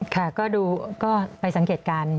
ค่ะก็ดูก็ไปสังเกตการณ์